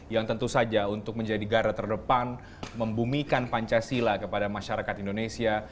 yang tentu saja untuk menjadi garda terdepan membumikan pancasila kepada masyarakat indonesia